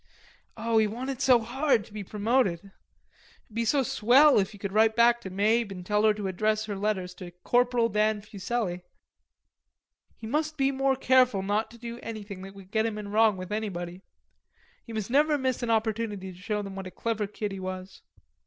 Oh, he wanted so hard to be promoted. It'd be so swell if he could write back to Mabe and tell her to address her letters Corporal Dan Fuselli. He must be more careful not to do anything that would get him in wrong with anybody. He must never miss an opportunity to show them what a clever kid he was.